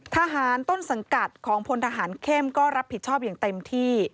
ทหารต้นสังกัดของพลทหารเข้มก็รับผิดชอบอย่างเต็มที่